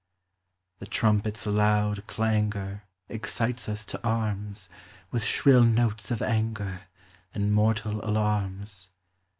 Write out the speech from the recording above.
The trumpet's loud clangor Excites us to arms, With shrill notes of anger, And mortal alarms.